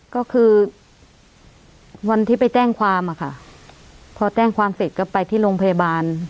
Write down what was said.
ก็คือวันที่ไปแจ้งความอะค่ะพอแจ้งความเสร็จก็ไปที่โรงพยาบาล